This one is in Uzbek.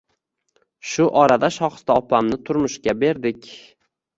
Shu orada Shohista opamni turmushga berdik